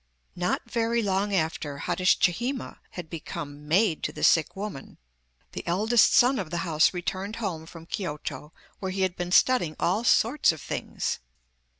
Not very long after Hatschihime had become maid to the sick woman, the eldest son of the house returned home from Kioto, where he had been studying all sorts of things.